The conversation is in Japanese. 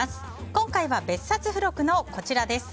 今回は、別冊付録のこちらです。